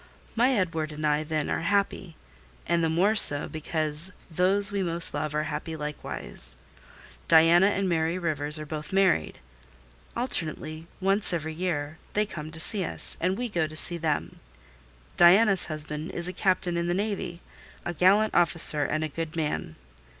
My Edward and I, then, are happy: and the more so, because those we most love are happy likewise. Diana and Mary Rivers are both married: alternately, once every year, they come to see us, and we go to see them. Diana's husband is a captain in the navy, a gallant officer and a good man.